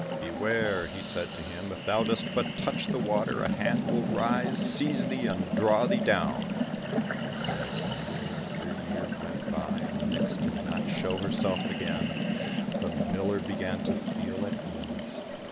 "Beware," he said to him, "if thou dost but touch the water, a hand will rise, seize thee, and draw thee down." But as year after year went by and the nix did not show herself again, the miller began to feel at ease.